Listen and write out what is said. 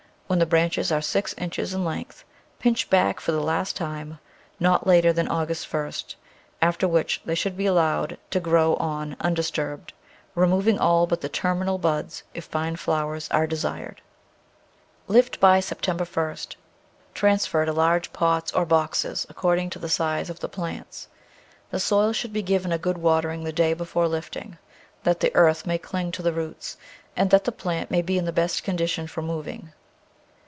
When the branches are six inches in length pinch back for the last time not later than August ist, after which they should be allowed to Digitized by Google Ten] annual* from &ee& »7 grow on undisturbed, removing all but the terminal buds if fine flowers are desired. Lift by September ist, transfer to large pots or boxes, according to the size of the plants. The soil should be given a good watering the day before lift ing, that the earth may cling to the roots and that the plant may be in the best condition for moving.